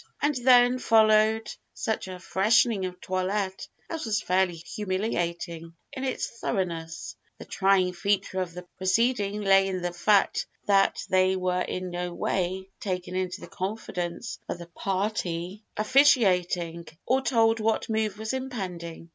And then followed such a freshening of toilette as was fairly humiliating in its thoroughness. The trying feature of the proceeding lay in the fact that they were in no way taken into the confidence of the party officiating, or told what move was impending.